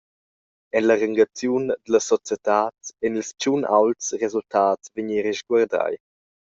Ella rangaziun dallas societads ein ils tschun aults resultats vegni risguardai.